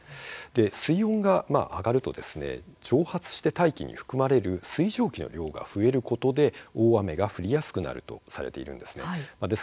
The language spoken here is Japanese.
水温が上がると蒸発して大気に含まれる水蒸気の量が増えることで大雨が降りやすくなるとされているんです。